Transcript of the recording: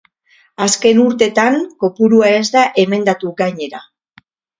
Azken urtetan kopurua ez da emendatu gainera.